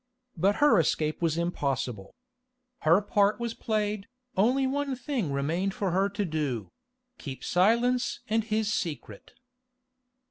But her escape was impossible. Her part was played, only one thing remained for her to do—keep silence and his secret.